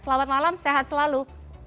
selamat malam sehat selalu